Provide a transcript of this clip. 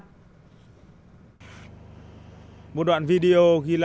một đoạn video ghi nhận ra là một đoạn video ghi nhận ra là một đoạn video ghi nhận ra